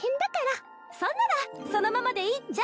そんならそのままでいいっちゃ。